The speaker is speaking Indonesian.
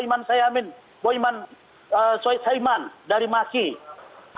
atau boyman saiman dari masih